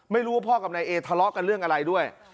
ไม่รู้ว่าพ่อกับนายเอทะเลาะกันเรื่องอะไรด้วย